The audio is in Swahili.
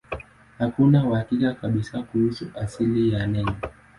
Hakuna uhakika kabisa kuhusu asili ya neno.